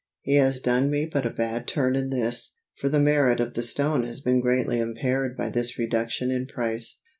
he has done me but a bad turn in this, for the merit of the stone has been greatly impaired by this reduction in price."